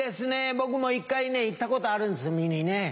僕も一回行ったことあるんです見にね。